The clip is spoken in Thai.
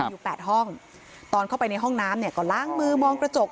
อยู่๘ห้องตอนเข้าไปในห้องน้ำเนี่ยก็ล้างมือมองกระจก